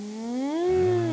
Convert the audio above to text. うん。